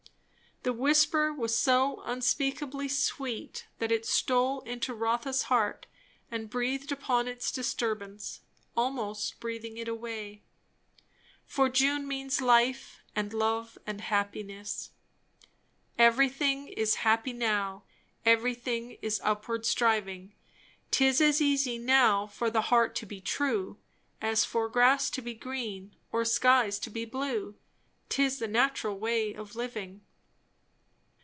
The whisper was so unspeakably sweet that it stole into Rotha's heart and breathed upon its disturbance, almost breathing it away. For June means life and love and happiness. "Everything is happy now; Everything is upward striving; 'Tis as easy now for the heart to be true, As for grass to be green or skies to be blue; 'Tis the natural way of living!"